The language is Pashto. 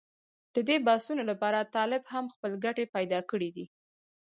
د دې بحثونو لپاره طالب هم خپل ګټې پېدا کړې دي.